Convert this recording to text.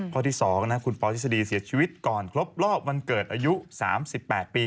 ข้อที่๒คุณปอทฤษฎีเสียชีวิตก่อนครบรอบวันเกิดอายุ๓๘ปี